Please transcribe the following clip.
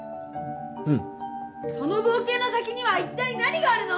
うんその冒険の先には一体何があるの？